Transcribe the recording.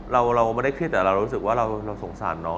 เราไม่ได้เครียดแต่เรารู้สึกว่าเราสงสารน้อง